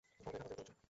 ওদের আমাদের প্রয়োজন।